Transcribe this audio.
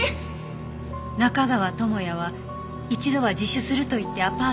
「中川智哉は一度は自首すると言ってアパートを出たものの